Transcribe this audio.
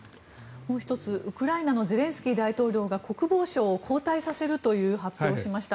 もう１つ、ウクライナのゼレンスキー大統領が国防相を交代させるという発表をしました。